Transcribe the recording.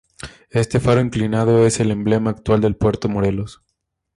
Este faro inclinado es el emblema actual de Puerto Morelos.